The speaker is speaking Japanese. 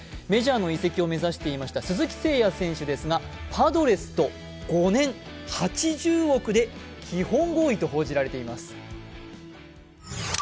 メジャーの移籍を目指していました鈴木誠也選手ですがパドレスと５年８０億で基本合意と報じられています。